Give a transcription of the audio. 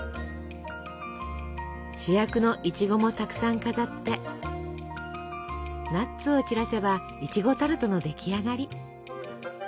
主役のいちごもたくさん飾ってナッツを散らせばいちごタルトの出来上がり。